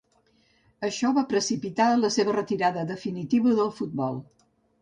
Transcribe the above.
Això va precipitar la seva retirada definitiva del futbol.